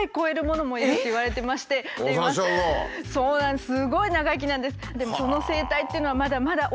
すごい長生きなんです。